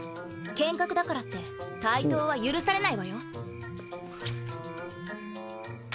剣客だからって帯刀は許されないわよ。